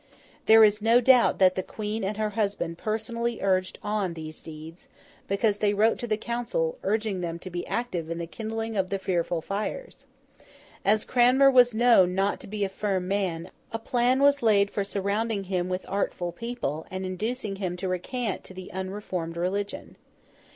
There is no doubt that the Queen and her husband personally urged on these deeds, because they wrote to the Council, urging them to be active in the kindling of the fearful fires. As Cranmer was known not to be a firm man, a plan was laid for surrounding him with artful people, and inducing him to recant to the unreformed religion.